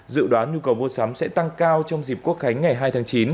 dự đoán nhu cầu mua sắm sẽ tăng cao trong dịp quốc khánh ngày hai tháng chín